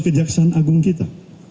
kejaksaan agung kita